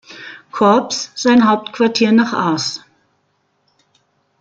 Korps sein Hauptquartier nach Ars.